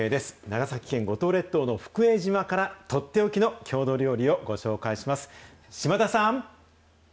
長崎県五島列島の福江島から取って置きの郷土料理をご紹介します。